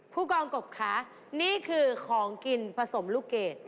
ผู้กองกบคะนี่คือของกินผสมลูกเกด